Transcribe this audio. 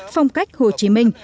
phong cách hồ chí minh